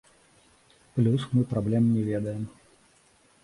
Плюс мы праблем не ведаем.